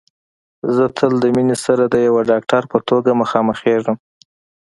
زه تل د مينې سره د يوه ډاکټر په توګه مخامخېږم